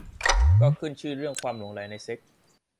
ก็ขึ้นชื่อเรื่องความหลงใหลในเซ็กส์